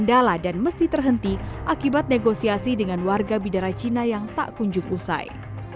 kendala dan mesti terhenti akibat negosiasi dengan warga bidara cina yang tak kunjung usai